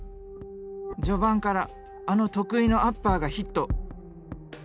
序盤からあの得意のアッパーがヒット！